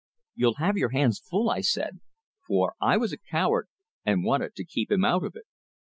"You'll have your hands full," I said for I was a coward, and wanted to keep him out of it.